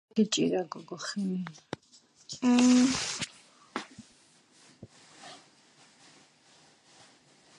სალომე სამადაშვილი არის საქართველოს უნივერსიტეტის და ილიას სახელმწიფო უნივერსიტეტის მოწვეული ლექტორი.